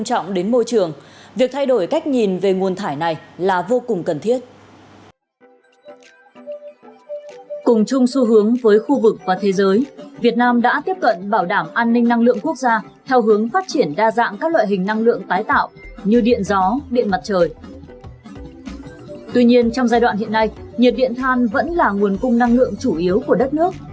trong giai đoạn hiện nay nhiệt điện than vẫn là nguồn cung năng lượng chủ yếu của đất nước